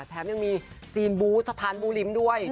แถมยังมีซีนบูสถานบูลิ้มด้วย